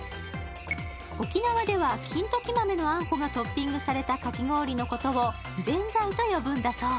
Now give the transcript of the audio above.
沖縄では、金時豆のあんこがトッピングされたかき氷のことをぜんざいと呼ぶんだそう。